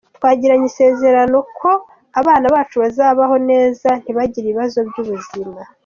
Twagiranye isezerano ko abana bacu bazabaho neza ntibagire ibibazo by’ubuzima.